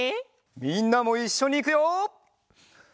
みんなもいっしょにいくよ！